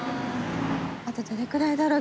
あとどれくらいだろう？